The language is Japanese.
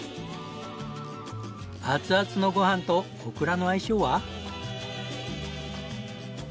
熱々のご飯とオクラの相性は？